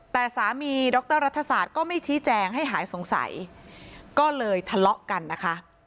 แต่สามีดรรัฐศาสตร์ก็ไม่ชี้แจงให้หายสงสัยก็เลยทะเลาะกันนะคะ